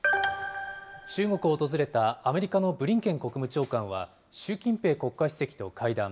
中国を訪れたアメリカのブリンケン国務長官は、習近平国家主席と会談。